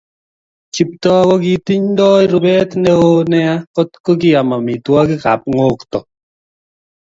Kiptoo kokitindo rubet neo nea kot ko kiam amitwokik ab ngokto